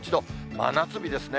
真夏日ですね。